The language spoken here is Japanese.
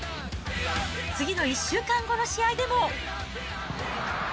次の１週間後の試合でも。